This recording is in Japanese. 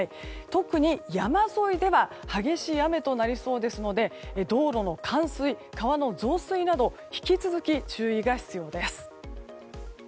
特に山沿いでは激しい雨となりそうですので道路の冠水、川の増水など引き続き注意が必要です。